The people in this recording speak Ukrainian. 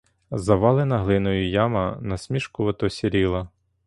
Завалена глиною яма, насмішкувато сіріла.